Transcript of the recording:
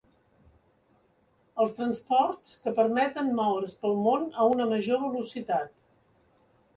Els transports que permeten moure's pel món a una major velocitat.